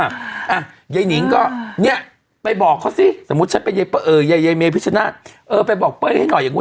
อ่ะเยยนิ่งก็เนี้ยไปบอกเขาสิสมมติฉันเป็นเยยเมพิชนาเออไปบอกให้หน่อยอย่างโน้นอย่างงี้